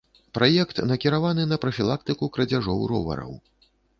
Праект накіраваны на прафілактыку крадзяжоў ровараў.